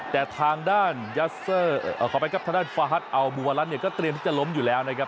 แต่ทางด้านฟ้าฮัทอัลมูวาลัทเนี่ยก็เตรียมที่จะล้มอยู่แล้วนะครับ